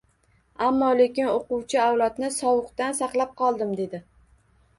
— Ammo-lekin o‘quvchi avlodni sovuqdan saqlab qoldim! — dedi.